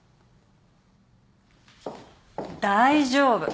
大丈夫。